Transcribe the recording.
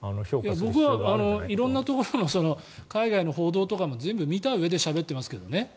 僕は色んな海外の報道とか見たうえでしゃべっていますけどね。